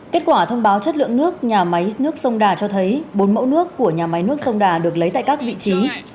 kết quả thông báo chất lượng nước nhà máy nước sông đà cho thấy bốn mẫu nước của nhà máy nước sông đà được lấy tại các vị trí